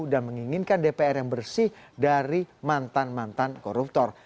dan menginginkan dpr yang bersih dari mantan mantan koruptor